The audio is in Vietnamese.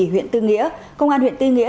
huyện tư nghĩa công an huyện tư nghĩa